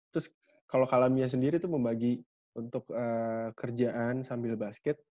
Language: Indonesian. terus kalau kalamia sendiri itu membagi untuk kerjaan sambil basket